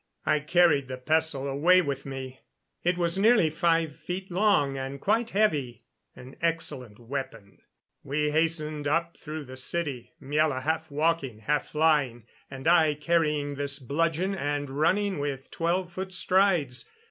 I carried the pestle away with me; it was nearly five feet long and quite heavy an excellent weapon. We hastened up through the city Miela half walking, half flying, and I carrying this bludgeon and running with twelve foot strides.